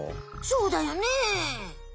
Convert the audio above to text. そうだよね。